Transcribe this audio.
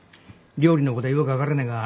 料理のことはよく分からねえ